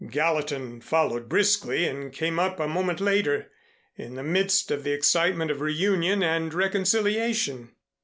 Gallatin followed briskly and came up a moment later, in the midst of the excitement of reunion and reconciliation.